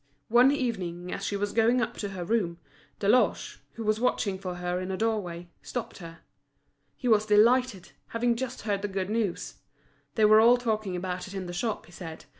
One evening as she was going up to her room, Deloche, who was watching for her in a doorway, stopped her. He was delighted, having just heard the good news; they were all talking about it in the shop, he said.